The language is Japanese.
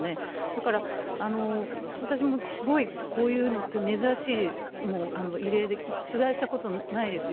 だから私もすごいこういうのって珍しい、異例で、取材したことないです。